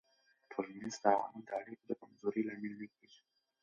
ټولنیز تعامل د اړیکو د کمزورۍ لامل نه کېږي.